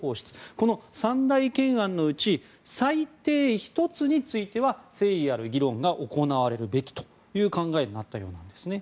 この３大懸案のうち最低１つについては誠意ある議論が行われるべきという考えになったようなんですね。